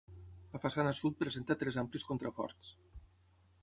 La façana sud presenta tres amplis contraforts.